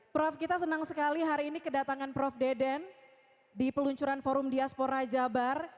prof kita senang sekali hari ini kedatangan prof deden di peluncuran forum diaspora jabar